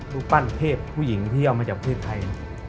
รูปปั้นเทพผู้หญิงที่เอามาจากเพศไทย